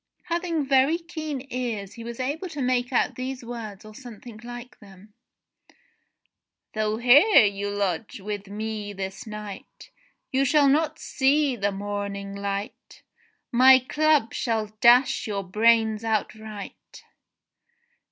Having very keen ears he was able to make out these words or something like them: "Though here you lodge with me this night, You shall not see the morning light. My club shall dash your brains outright.'